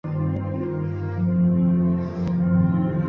Ongezea bahari ya Hindia iliyo pwani